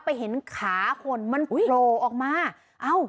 ไปเห็นขาคนมันโพโมงออกมาอ้าว